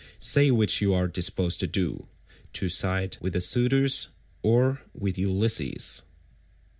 Say which you are disposed to do—to side with the suitors, or with Ulysses?"